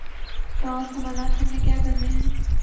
تو اور کمالات ہم نے کیا کرنے ہیں۔